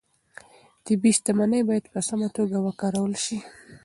طبیعي شتمنۍ باید په سمه توګه وکارول شي